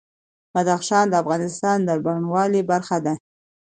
بدخشان د افغانستان د بڼوالۍ برخه ده.